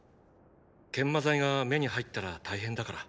研磨剤が目に入ったら大変だから。